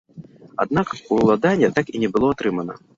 Аднак уладанне так і не было атрымана.